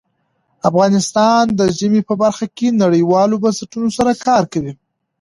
افغانستان د ژمی په برخه کې نړیوالو بنسټونو سره کار کوي.